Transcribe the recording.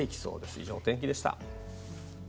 以上、天気でした。